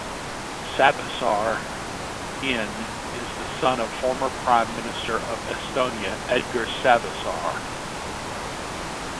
Savisaar in is the son of former Prime Minister of Estonia Edgar Savisaar.